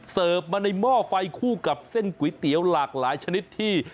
มาในหม้อไฟคู่กับเส้นก๋วยเตี๋ยวหลากหลายชนิดที่